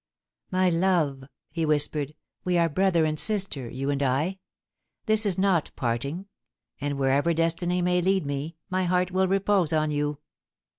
* My love !' he whispered, * we are brother and sister, you and I. This is not parting, and wherever destiny may lead me, my heart will repose on you.